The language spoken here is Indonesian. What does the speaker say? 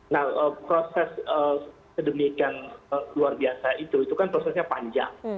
nah proses sedemikian luar biasa itu itu kan prosesnya panjang